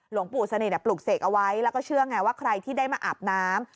หลวงปู่สนิทปลูกเสกเอาไว้แล้วก็เชื่อไงว่าใครที่ได้มาอาบน้ำ